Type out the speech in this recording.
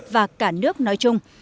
và cả nước nói chung